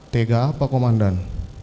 tega apa komandan